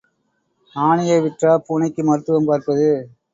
ஆனையை விற்றா பூனைக்கு மருத்துவம் பார்ப்பது?